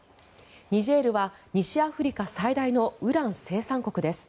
ニジェールは西アフリカ最大のウラン生産国です。